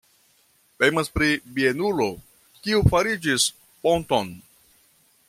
Temas pri bienulo, kiu farigis ponton.